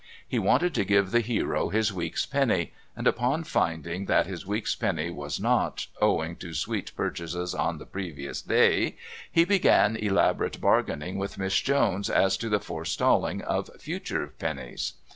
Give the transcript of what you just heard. He wanted to give the hero his week's penny, and upon finding that his week's penny was not, owing to sweet purchases on the previous day, he began elaborate bargainings with Miss Jones as to the forestalling of future pennies.